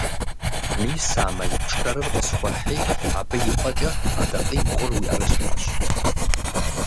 Мис а мэл пшэрыр къысхуэхьи, абы и пӀэкӀэ адакъибгъур уи Ӏэрылъхьэщ.